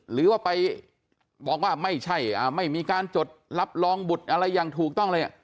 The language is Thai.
หรือว่าไปบอกว่าไม่ใช่ไม่มีการจดรับรองบุตรอะไรอย่างถูกต้องเลย